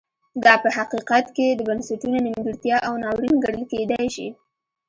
دا په حقیقت کې د بنسټونو نیمګړتیا او ناورین ګڼل کېدای شي.